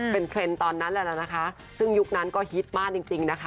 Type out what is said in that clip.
เป็นเทรนด์ตอนนั้นแหละนะคะซึ่งยุคนั้นก็ฮิตมากจริงนะคะ